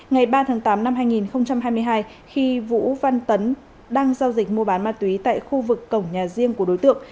ngày ba tháng tám năm hai nghìn hai mươi hai khi vũ văn tấn đang giao dịch mua bán ma túy tại khu vực cổng nhà riêng của đối tượng